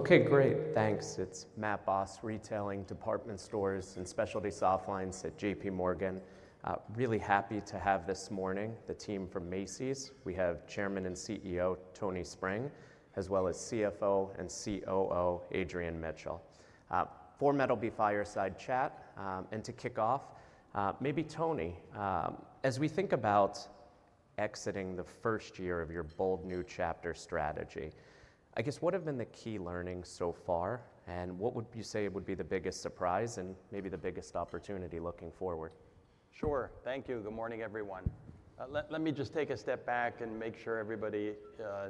Okay, great. Thanks. It's Matthew Boss, Retailing, Department Stores and Specialty Softlines at J.P. Morgan. Really happy to have this morning the team from Macy's. We have Chairman and CEO Tony Spring, as well as CFO and COO Adrian Mitchell. For Macy's fireside chat. And to kick off, maybe Tony, as we think about exiting the first year of your Bold New Chapter strategy, I guess what have been the key learnings so far? And what would you say would be the biggest surprise and maybe the biggest opportunity looking forward? Sure. Thank you. Good morning, everyone. Let me just take a step back and make sure everybody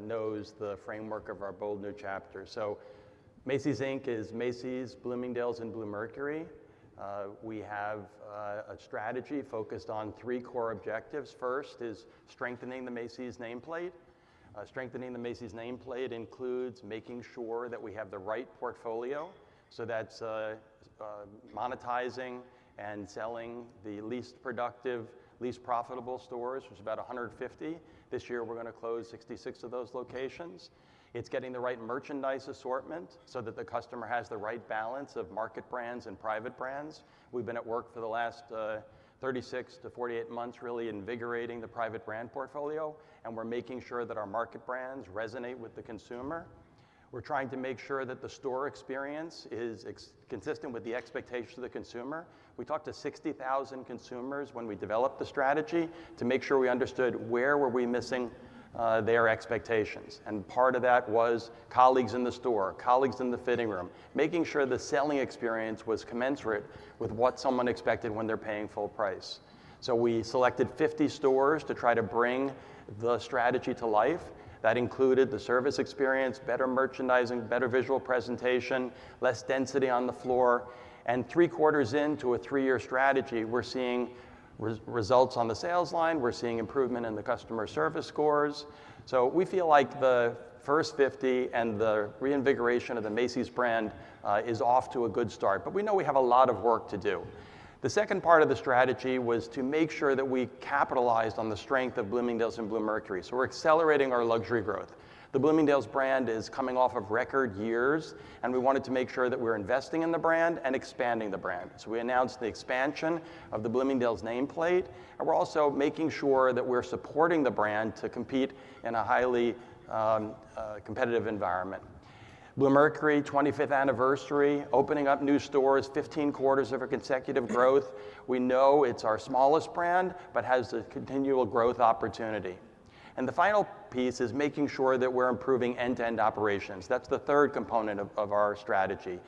knows the framework of our Bold New Chapter. So Macy's, Inc. is Macy's, Bloomingdale's, and Bluemercury. We have a strategy focused on three core objectives. First is strengthening the Macy's nameplate. Strengthening the Macy's nameplate includes making sure that we have the right portfolio. So that's monetizing and selling the least productive, least profitable stores, which is about 150. This year we're going to close 66 of those locations. It's getting the right merchandise assortment so that the customer has the right balance of market brands and private brands. We've been at work for the last 36 to 48 months really invigorating the private brand portfolio, and we're making sure that our market brands resonate with the consumer. We're trying to make sure that the store experience is consistent with the expectations of the consumer. We talked to 60,000 consumers when we developed the strategy to make sure we understood where were we missing their expectations, and part of that was colleagues in the store, colleagues in the fitting room, making sure the selling experience was commensurate with what someone expected when they're paying full price, so we selected 50 stores to try to bring the strategy to life. That included the service experience, better merchandising, better visual presentation, less density on the floor, and three quarters into a three-year strategy, we're seeing results on the sales line. We're seeing improvement in the customer service scores, so we feel like the first 50 and the reinvigoration of the Macy's brand is off to a good start, but we know we have a lot of work to do. The second part of the strategy was to make sure that we capitalized on the strength of Bloomingdale's and Bluemercury. So we're accelerating our luxury growth. The Bloomingdale's brand is coming off of record years, and we wanted to make sure that we're investing in the brand and expanding the brand. So we announced the expansion of the Bloomingdale's nameplate, and we're also making sure that we're supporting the brand to compete in a highly competitive environment. Bluemercury, 25th anniversary, opening up new stores, 15 quarters of a consecutive growth. We know it's our smallest brand, but has a continual growth opportunity. And the final piece is making sure that we're improving end-to-end operations. That's the third component of our strategy.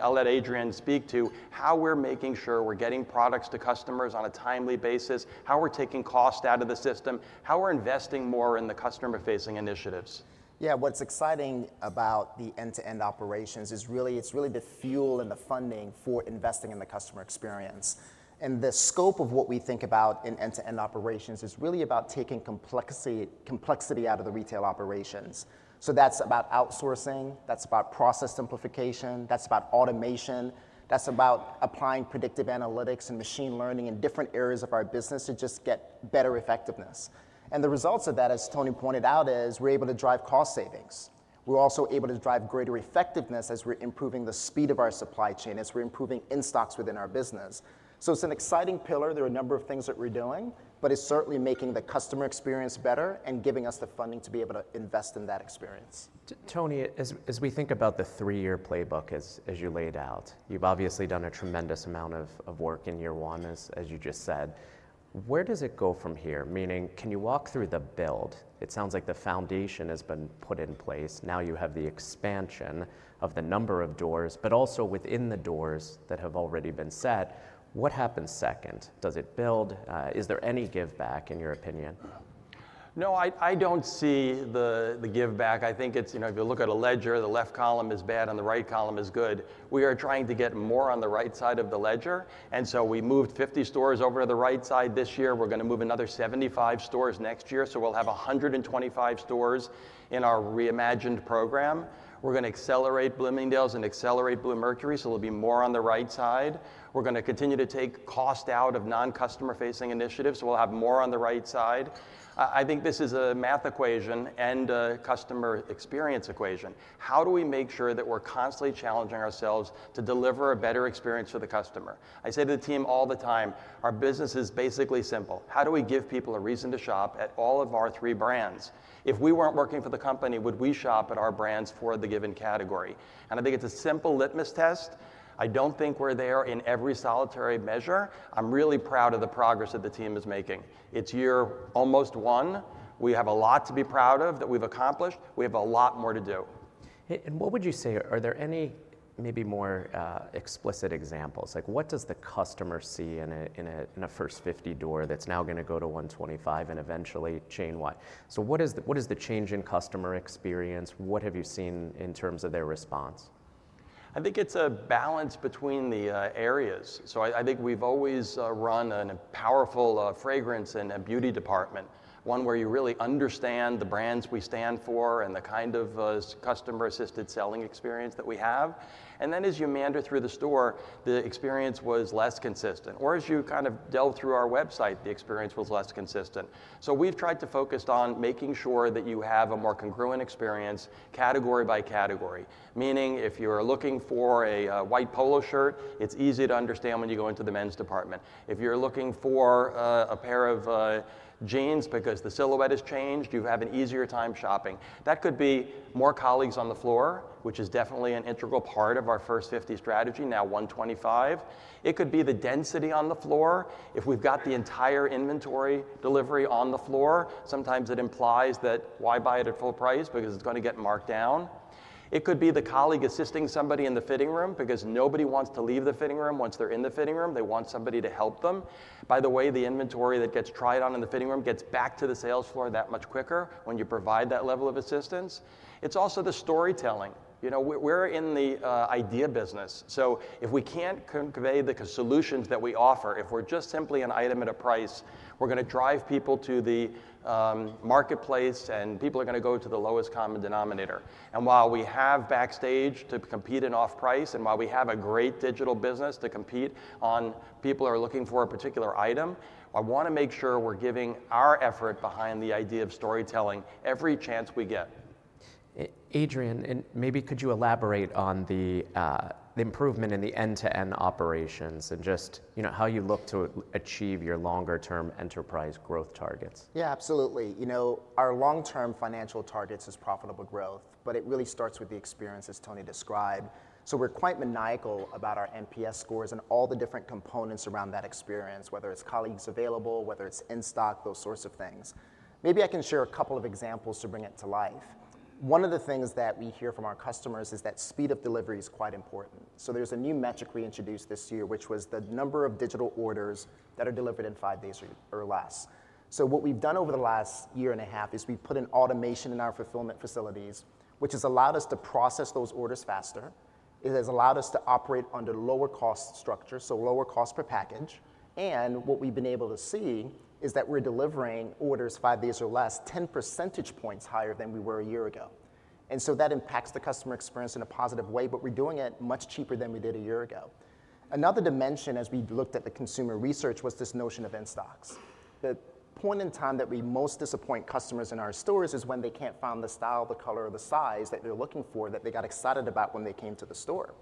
I'll let Adrian speak to how we're making sure we're getting products to customers on a timely basis, how we're taking cost out of the system, how we're investing more in the customer-facing initiatives. Yeah, what's exciting about the end-to-end operations is really it's really the fuel and the funding for investing in the customer experience, and the scope of what we think about in end-to-end operations is really about taking complexity out of the retail operations, so that's about outsourcing, that's about process simplification, that's about automation, that's about applying predictive analytics and machine learning in different areas of our business to just get better effectiveness, and the results of that, as Tony pointed out, is we're able to drive cost savings, we're also able to drive greater effectiveness as we're improving the speed of our supply chain, as we're improving in stocks within our business, so it's an exciting pillar, there are a number of things that we're doing, but it's certainly making the customer experience better and giving us the funding to be able to invest in that experience. Tony, as we think about the three-year playbook, as you laid out, you've obviously done a tremendous amount of work in year one, as you just said. Where does it go from here? Meaning, can you walk through the build? It sounds like the foundation has been put in place. Now you have the expansion of the number of doors, but also within the doors that have already been set. What happens second? Does it build? Is there any give back, in your opinion? No, I don't see the give back. I think it's, you know, if you look at a ledger, the left column is bad and the right column is good. We are trying to get more on the right side of the ledger. And so we moved 50 stores over to the right side this year. We're going to move another 75 stores next year. So we'll have 125 stores in our reimagined program. We're going to accelerate Bloomingdale's and accelerate Bluemercury, so it'll be more on the right side. We're going to continue to take cost out of non-customer-facing initiatives, so we'll have more on the right side. I think this is a math equation and a customer experience equation. How do we make sure that we're constantly challenging ourselves to deliver a better experience for the customer? I say to the team all the time, our business is basically simple. How do we give people a reason to shop at all of our three brands? If we weren't working for the company, would we shop at our brands for the given category? And I think it's a simple litmus test. I don't think we're there in every solitary measure. I'm really proud of the progress that the team is making. It's year almost one. We have a lot to be proud of that we've accomplished. We have a lot more to do. What would you say? Are there any maybe more explicit examples? Like what does the customer see in a First 50 door that's now going to go to 125 and eventually chainwide? So what is the change in customer experience? What have you seen in terms of their response? I think it's a balance between the areas. So I think we've always run a powerful fragrance and a beauty department, one where you really understand the brands we stand for and the kind of customer-assisted selling experience that we have. And then as you meander through the store, the experience was less consistent. Or as you kind of delve through our website, the experience was less consistent. So we've tried to focus on making sure that you have a more congruent experience category by category. Meaning if you are looking for a white polo shirt, it's easy to understand when you go into the men's department. If you're looking for a pair of jeans because the silhouette has changed, you have an easier time shopping. That could be more colleagues on the floor, which is definitely an integral part of our First 50 strategy, now 125. It could be the density on the floor. If we've got the entire inventory delivery on the floor, sometimes it implies that why buy it at full price? Because it's going to get marked down. It could be the colleague assisting somebody in the fitting room because nobody wants to leave the fitting room once they're in the fitting room. They want somebody to help them. By the way, the inventory that gets tried on in the fitting room gets back to the sales floor that much quicker when you provide that level of assistance. It's also the storytelling. You know, we're in the idea business. So if we can't convey the solutions that we offer, if we're just simply an item at a price, we're going to drive people to the marketplace and people are going to go to the lowest common denominator. While we have Backstage to compete in off-price and while we have a great digital business to compete on people who are looking for a particular item, I want to make sure we're giving our effort behind the idea of storytelling every chance we get. Adrian, maybe could you elaborate on the improvement in the end-to-end operations and just how you look to achieve your longer-term enterprise growth targets? Yeah, absolutely. You know, our long-term financial targets is profitable growth, but it really starts with the experience, as Tony described. So we're quite maniacal about our NPS scores and all the different components around that experience, whether it's colleagues available, whether it's in stock, those sorts of things. Maybe I can share a couple of examples to bring it to life. One of the things that we hear from our customers is that speed of delivery is quite important. So there's a new metric we introduced this year, which was the number of digital orders that are delivered in five days or less. So what we've done over the last year and a half is we've put in automation in our fulfillment facilities, which has allowed us to process those orders faster. It has allowed us to operate under lower cost structures, so lower cost per package. And what we've been able to see is that we're delivering orders five days or less 10 percentage points higher than we were a year ago. And so that impacts the customer experience in a positive way, but we're doing it much cheaper than we did a year ago. Another dimension, as we looked at the consumer research, was this notion of in stocks. The point in time that we most disappoint customers in our stores is when they can't find the style, the color, or the size that they're looking for that they got excited about when they came to the store.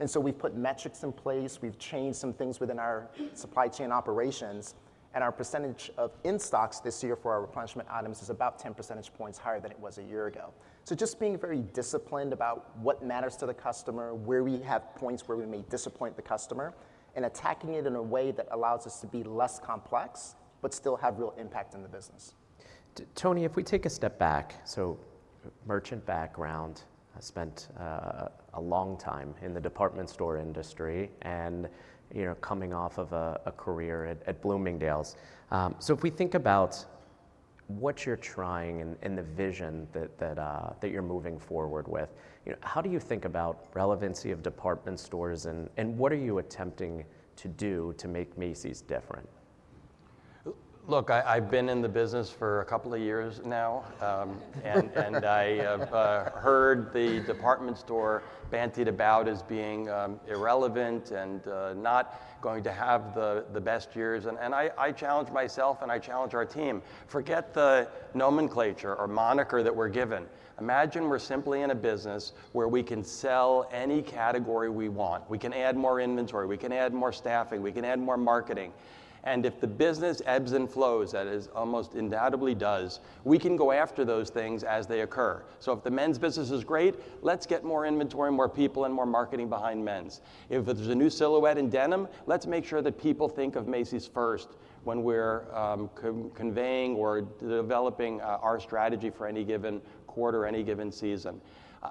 And so we've put metrics in place. We've changed some things within our supply chain operations, and our percentage of in stocks this year for our replenishment items is about 10 percentage points higher than it was a year ago. So just being very disciplined about what matters to the customer, where we have points where we may disappoint the customer, and attacking it in a way that allows us to be less complex, but still have real impact in the business. Tony, if we take a step back, so merchant background, I spent a long time in the department store industry and coming off of a career at Bloomingdale's. So if we think about what you're trying and the vision that you're moving forward with, how do you think about relevancy of department stores and what are you attempting to do to make Macy's different? Look, I've been in the business for a couple of years now, and I have heard the department store bandied about as being irrelevant and not going to have the best years, and I challenge myself and I challenge our team, forget the nomenclature or moniker that we're given. Imagine we're simply in a business where we can sell any category we want. We can add more inventory. We can add more staffing. We can add more marketing, and if the business ebbs and flows, that is almost undoubtedly does, we can go after those things as they occur. So if the men's business is great, let's get more inventory, more people, and more marketing behind men's. If there's a new silhouette in denim, let's make sure that people think of Macy's first when we're conveying or developing our strategy for any given quarter, any given season.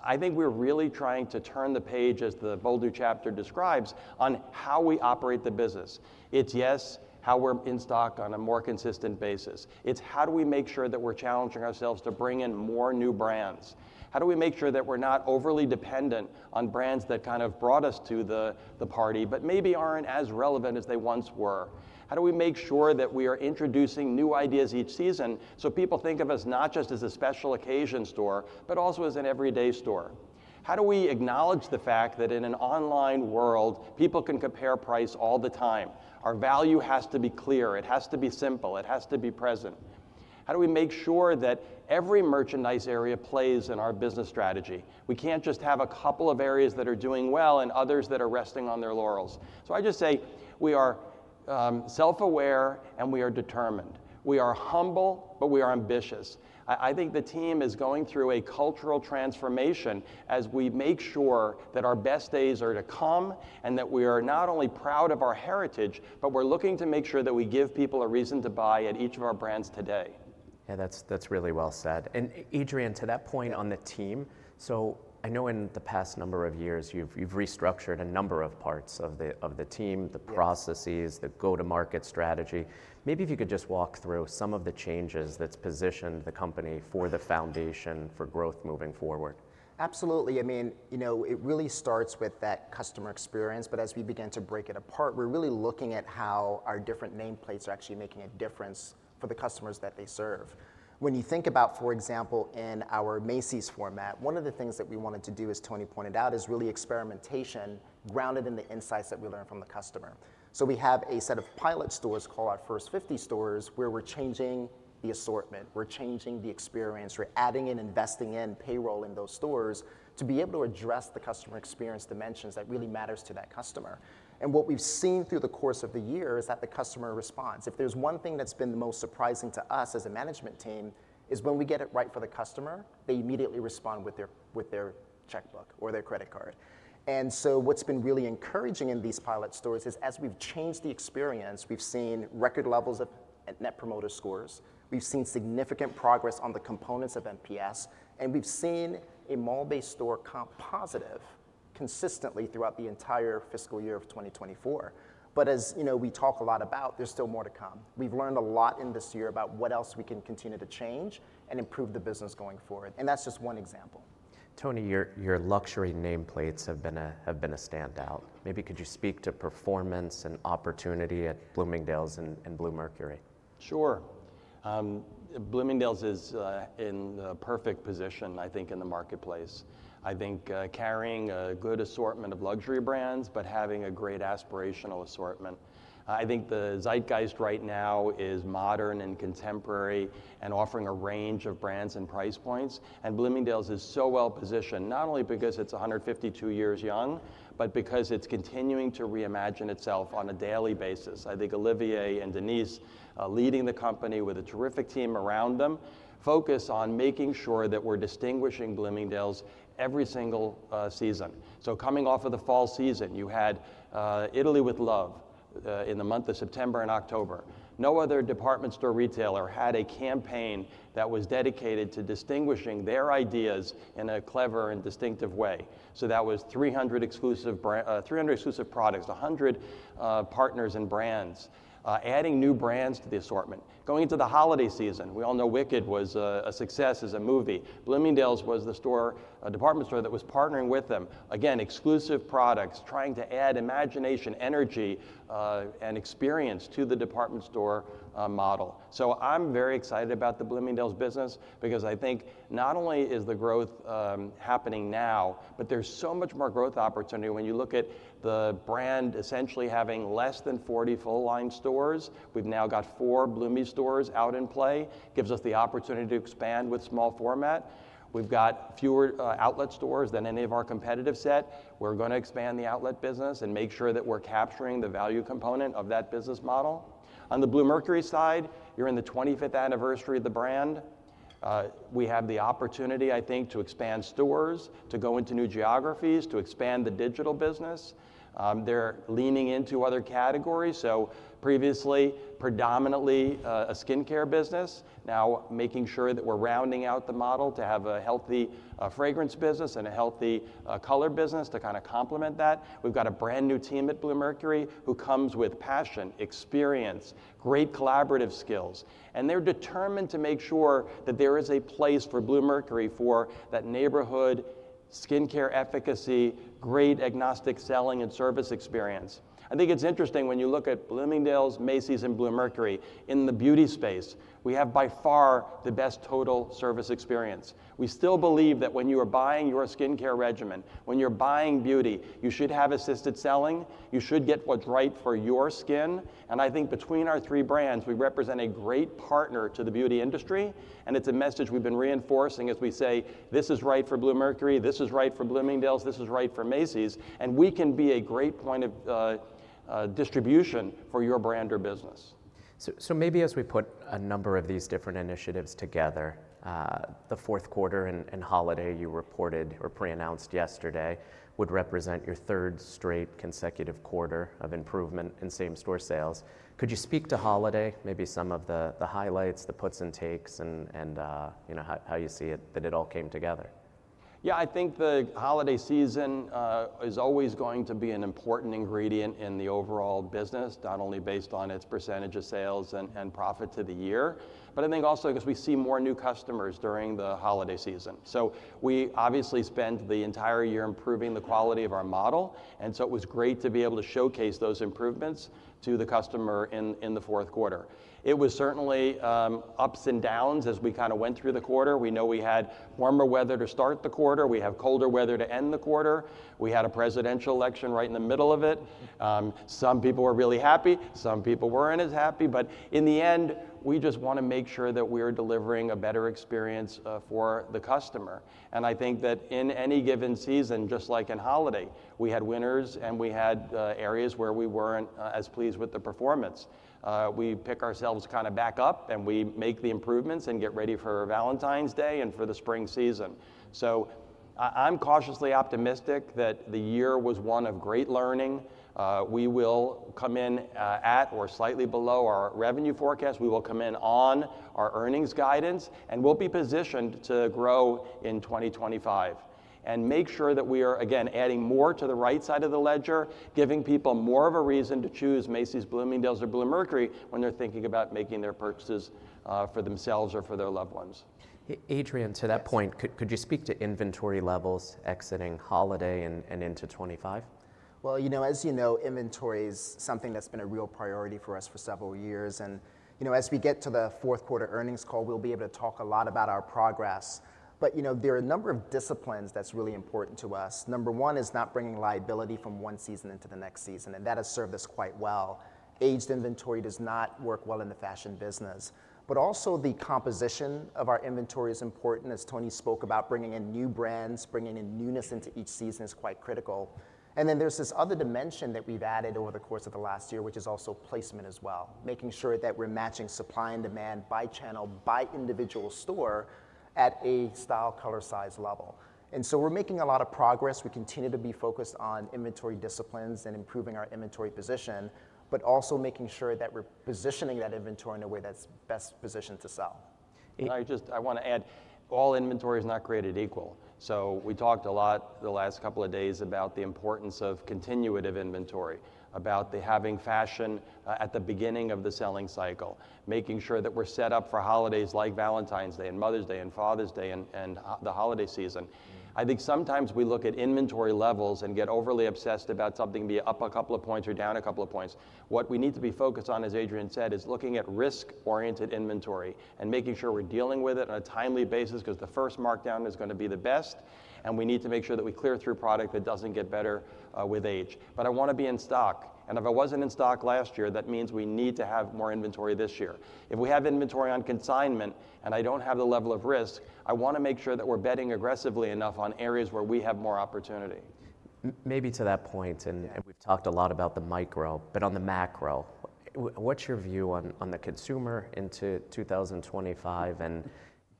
I think we're really trying to turn the page, as the Bold chapter describes, on how we operate the business. It's, yes, how we're in stock on a more consistent basis. It's how do we make sure that we're challenging ourselves to bring in more new brands. How do we make sure that we're not overly dependent on brands that kind of brought us to the party, but maybe aren't as relevant as they once were? How do we make sure that we are introducing new ideas each season so people think of us not just as a special occasion store, but also as an everyday store? How do we acknowledge the fact that in an online world, people can compare price all the time? Our value has to be clear. It has to be simple. It has to be present. How do we make sure that every merchandise area plays in our business strategy? We can't just have a couple of areas that are doing well and others that are resting on their laurels. So I just say we are self-aware and we are determined. We are humble, but we are ambitious. I think the team is going through a cultural transformation as we make sure that our best days are to come and that we are not only proud of our heritage, but we're looking to make sure that we give people a reason to buy at each of our brands today. Yeah, that's really well said. And Adrian, to that point on the team, so I know in the past number of years you've restructured a number of parts of the team, the processes, the go-to-market strategy. Maybe if you could just walk through some of the changes that's positioned the company for the foundation for growth moving forward. Absolutely. I mean, you know, it really starts with that customer experience, but as we begin to break it apart, we're really looking at how our different nameplates are actually making a difference for the customers that they serve. When you think about, for example, in our Macy's format, one of the things that we wanted to do, as Tony pointed out, is really experimentation grounded in the insights that we learn from the customer, so we have a set of pilot stores called our First 50 stores where we're changing the assortment. We're changing the experience. We're adding and investing in payroll in those stores to be able to address the customer experience dimensions that really matter to that customer, and what we've seen through the course of the year is that the customer responds. If there's one thing that's been the most surprising to us as a management team is when we get it right for the customer, they immediately respond with their checkbook or their credit card. And so what's been really encouraging in these pilot stores is as we've changed the experience, we've seen record levels of Net Promoter Scores. We've seen significant progress on the components of NPS, and we've seen a mall-based store comp positive consistently throughout the entire fiscal year of 2024. But as you know, we talk a lot about there's still more to come. We've learned a lot in this year about what else we can continue to change and improve the business going forward. And that's just one example. Tony, your luxury nameplates have been a standout. Maybe could you speak to performance and opportunity at Bloomingdale's and Bluemercury? Sure. Bloomingdale's is in the perfect position, I think, in the marketplace. I think carrying a good assortment of luxury brands, but having a great aspirational assortment. I think the zeitgeist right now is modern and contemporary and offering a range of brands and price points. And Bloomingdale's is so well positioned, not only because it's 152 years young, but because it's continuing to reimagine itself on a daily basis. I think Olivier and Denise, leading the company with a terrific team around them, focus on making sure that we're distinguishing Bloomingdale's every single season. So coming off of the fall season, you had Italy with Love in the month of September and October. No other department store retailer had a campaign that was dedicated to distinguishing their ideas in a clever and distinctive way. So that was 300 exclusive products, 100 partners and brands, adding new brands to the assortment. Going into the holiday season, we all know Wicked was a success as a movie. Bloomingdale's was the department store that was partnering with them. Again, exclusive products, trying to add imagination, energy, and experience to the department store model. So I'm very excited about the Bloomingdale's business because I think not only is the growth happening now, but there's so much more growth opportunity when you look at the brand essentially having less than 40 full-line stores. We've now got four Bloomie's stores out in play. It gives us the opportunity to expand with small format. We've got fewer outlet stores than any of our competitive set. We're going to expand the outlet business and make sure that we're capturing the value component of that business model. On the Bluemercury side, you're in the 25th anniversary of the brand. We have the opportunity, I think, to expand stores, to go into new geographies, to expand the digital business. They're leaning into other categories. So previously, predominantly a skincare business, now making sure that we're rounding out the model to have a healthy fragrance business and a healthy color business to kind of complement that. We've got a brand new team at Bluemercury who comes with passion, experience, great collaborative skills. And they're determined to make sure that there is a place for Bluemercury for that neighborhood skincare efficacy, great agnostic selling and service experience. I think it's interesting when you look at Bloomingdale's, Macy's, and Bluemercury in the beauty space, we have by far the best total service experience. We still believe that when you are buying your skincare regimen, when you're buying beauty, you should have assisted selling. You should get what's right for your skin. I think between our three brands, we represent a great partner to the beauty industry. It's a message we've been reinforcing as we say, this is right for Bluemercury, this is right for Bloomingdale's, this is right for Macy's. We can be a great point of distribution for your brand or business. So maybe as we put a number of these different initiatives together, Q4 and holiday you reported or pre-announced yesterday would represent your third straight consecutive quarter of improvement in same-store sales. Could you speak to holiday, maybe some of the highlights, the puts and takes, and how you see that it all came together? Yeah, I think the holiday season is always going to be an important ingredient in the overall business, not only based on its percentage of sales and profit to the year, but I think also because we see more new customers during the holiday season. So we obviously spent the entire year improving the quality of our model. And so it was great to be able to showcase those improvements to the customer in Q4. It was certainly ups and downs as we kind of went through the quarter. We know we had warmer weather to start the quarter. We have colder weather to end the quarter. We had a presidential election right in the middle of it. Some people were really happy. Some people weren't as happy. But in the end, we just want to make sure that we are delivering a better experience for the customer. I think that in any given season, just like in holiday, we had winners and we had areas where we weren't as pleased with the performance. We pick ourselves kind of back up and we make the improvements and get ready for Valentine's Day and for the spring season. So I'm cautiously optimistic that the year was one of great learning. We will come in at or slightly below our revenue forecast. We will come in on our earnings guidance and we'll be positioned to grow in 2025 and make sure that we are, again, adding more to the right side of the ledger, giving people more of a reason to choose Macy's, Bloomingdale's, or Bluemercury when they're thinking about making their purchases for themselves or for their loved ones. Adrian, to that point, could you speak to inventory levels exiting holiday and into 2025? You know, as you know, inventory is something that's been a real priority for us for several years. And you know, as we get to the Q4 Earnings Call, we'll be able to talk a lot about our progress. But you know, there are a number of disciplines that's really important to us. Number one is not bringing liability from one season into the next season. And that has served us quite well. Aged inventory does not work well in the fashion business. But also the composition of our inventory is important. As Tony spoke about, bringing in new brands, bringing in newness into each season is quite critical. And then there's this other dimension that we've added over the course of the last year, which is also placement as well, making sure that we're matching supply and demand by channel, by individual store at a style, color, size level. And so we're making a lot of progress. We continue to be focused on inventory disciplines and improving our inventory position, but also making sure that we're positioning that inventory in a way that's best positioned to sell. I just want to add, all inventory is not created equal. So we talked a lot the last couple of days about the importance of continuative inventory, about having fashion at the beginning of the selling cycle, making sure that we're set up for holidays like Valentine's Day and Mother's Day and Father's Day and the holiday season. I think sometimes we look at inventory levels and get overly obsessed about something being up a couple of points or down a couple of points. What we need to be focused on, as Adrian said, is looking at risk-oriented inventory and making sure we're dealing with it on a timely basis because the first markdown is going to be the best. And we need to make sure that we clear through product that doesn't get better with age. But I want to be in stock. If I wasn't in stock last year, that means we need to have more inventory this year. If we have inventory on consignment and I don't have the level of risk, I want to make sure that we're betting aggressively enough on areas where we have more opportunity. Maybe to that point, and we've talked a lot about the micro, but on the macro, what's your view on the consumer into 2025? And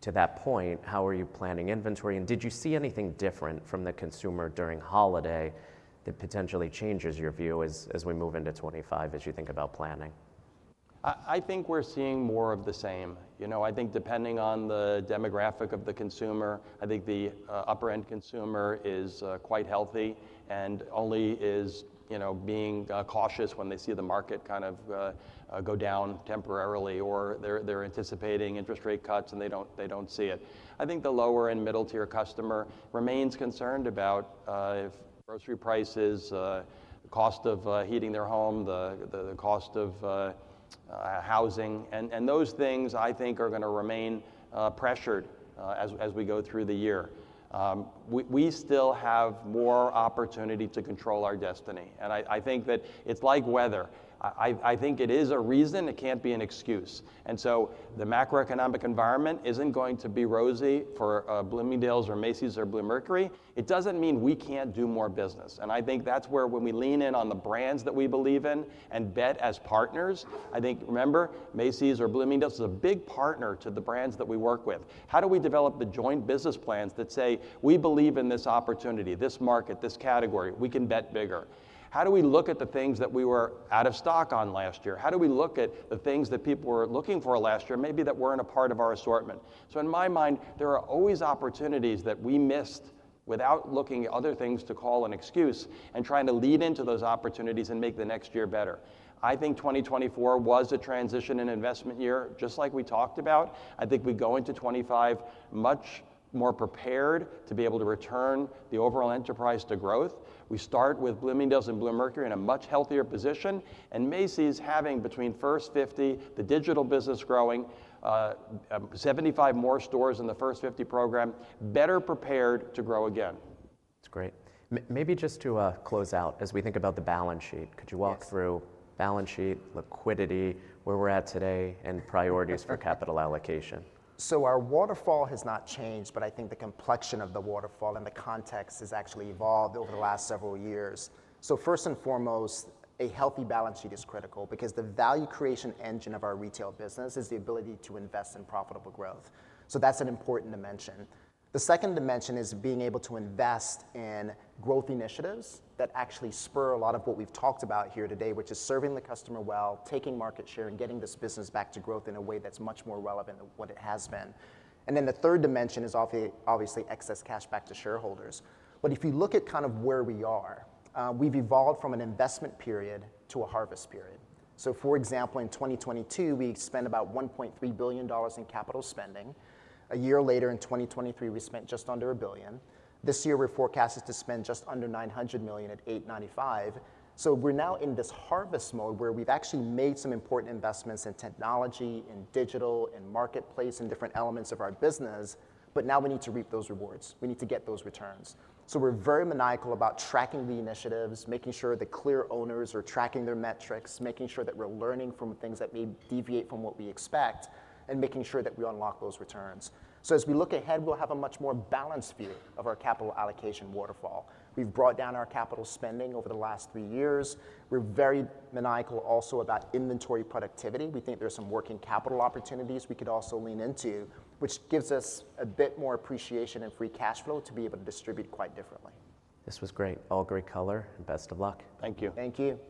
to that point, how are you planning inventory? And did you see anything different from the consumer during holiday that potentially changes your view as we move into 2025 as you think about planning? I think we're seeing more of the same. You know, I think depending on the demographic of the consumer, I think the upper-end consumer is quite healthy and only is being cautious when they see the market kind of go down temporarily or they're anticipating interest rate cuts and they don't see it. I think the lower and middle-tier customer remains concerned about grocery prices, the cost of heating their home, the cost of housing, and those things I think are going to remain pressured as we go through the year. We still have more opportunity to control our destiny, and I think that it's like weather. I think it is a reason. It can't be an excuse, and so the macroeconomic environment isn't going to be rosy for Bloomingdale's or Macy's or Bluemercury. It doesn't mean we can't do more business. And I think that's where, when we lean in on the brands that we believe in and bet as partners, I think. Remember, Macy's or Bloomingdale's is a big partner to the brands that we work with. How do we develop the joint business plans that say we believe in this opportunity, this market, this category? We can bet bigger. How do we look at the things that we were out of stock on last year? How do we look at the things that people were looking for last year, maybe that weren't a part of our assortment? So in my mind, there are always opportunities that we missed without looking at other things to call an excuse and trying to lead into those opportunities and make the next year better. I think 2024 was a transition and investment year, just like we talked about. I think we go into 2025 much more prepared to be able to return the overall enterprise to growth. We start with Bloomingdale's and Bluemercury in a much healthier position and Macy's having between First 50, the digital business growing, 75 more stores in the First 50 program, better prepared to grow again. That's great. Maybe just to close out, as we think about the balance sheet, could you walk through balance sheet, liquidity, where we're at today, and priorities for capital allocation? So our waterfall has not changed, but I think the complexion of the waterfall and the context has actually evolved over the last several years. So first and foremost, a healthy balance sheet is critical because the value creation engine of our retail business is the ability to invest in profitable growth. So that's an important dimension. The second dimension is being able to invest in growth initiatives that actually spur a lot of what we've talked about here today, which is serving the customer well, taking market share, and getting this business back to growth in a way that's much more relevant than what it has been. And then the third dimension is obviously excess cash back to shareholders. But if you look at kind of where we are, we've evolved from an investment period to a harvest period. So, for example, in 2022, we spent about $1.3 billion in capital spending. A year later in 2023, we spent just under a billion. This year, we're forecasted to spend just under $900 million at 895. So we're now in this harvest mode where we've actually made some important investments in technology, in digital, in marketplace, in different elements of our business, but now we need to reap those rewards. We need to get those returns. So we're very maniacal about tracking the initiatives, making sure the clear owners are tracking their metrics, making sure that we're learning from things that may deviate from what we expect, and making sure that we unlock those returns. So as we look ahead, we'll have a much more balanced view of our capital allocation waterfall. We've brought down our capital spending over the last three years. We're very maniacal also about inventory productivity. We think there's some working capital opportunities we could also lean into, which gives us a bit more appreciation and free cash flow to be able to distribute quite differently. This was great. All great color and best of luck. Thank you. Thank you.